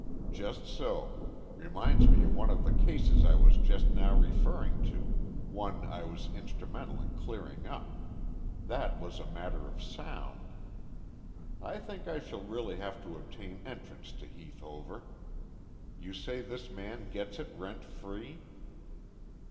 "Just so. Reminds me of one of the cases I was just now referring to, one I was instrumental in clearing up. That was a matter of sound. I think I shall really have to obtain entrance to Heath Hover. You say this man gets it rent free?"